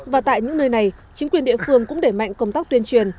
và tại những nơi này chính quyền địa phương cũng để mạnh công tác tuyên truyền